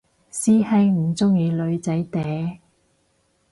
師兄唔鍾意女仔嗲？